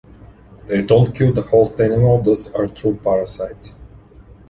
They don't kill the host animal, thus are true parasites.